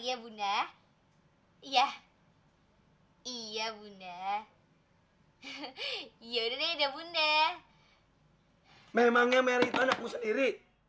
itu siap yadai parkini engra di ya iya bunda ya udah yadai bunda hai memangnya meritoran sendiri